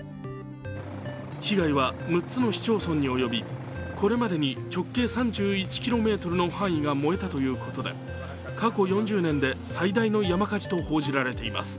被害は６つの市町村に及び、これまでに直径３１ｋｍの範囲が燃えたということで過去４０年で最大の山火事と報じられています。